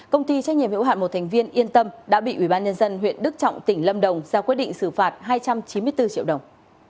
công ty trách nhiệm hữu hạn một thành viên yên tâm đã bị ubnd huyện đức trọng tỉnh lâm đồng ra quyết định xử phạt hai trăm chín mươi bốn triệu đồng